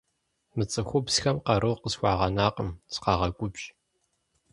Мы цӏыхубзхэм къару къысхуагъэнакъым, сыкъагъэгубжь.